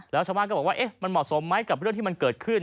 แล้วชาวบ้านก็บอกว่ามันเหมาะสมไหมกับเรื่องที่มันเกิดขึ้น